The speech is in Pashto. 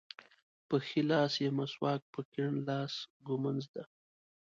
په ښي لاس یې مسواک په کیڼ لاس ږمونځ ده.